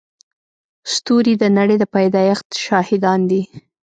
ستوري د نړۍ د پيدایښت شاهدان دي.